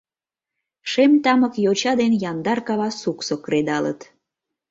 Шем тамык йоча ден яндар кава суксо Кредалыт.